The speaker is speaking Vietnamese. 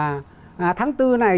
thông tin đại chúng là tháng bốn này